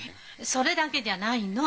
それだけじゃないの！